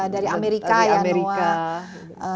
dari amerika ya noaa